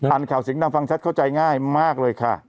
อันข่าวสิงห์น้ำฟังแซทเข้าใจง่ายมากเลยค่ะ